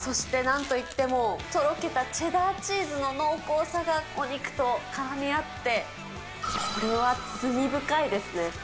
そして何と言っても、とろけたチェダーチーズの濃厚さがお肉とからみ合って、これは罪深いですね。